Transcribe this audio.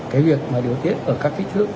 cái việc mà điều tiết ở các kích thước